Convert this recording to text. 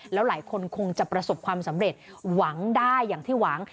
แล้วหลายคนคงจะประสบความสำเร็จหวังได้อย่างที่หวัง